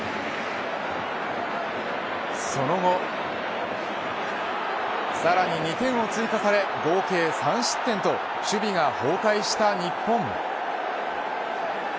その後、さらに２点を追加され合計３失点と守備が崩壊した日本。